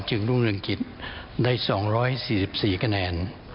จึงลุงเรียงกิจได้๒๔๔คะแนน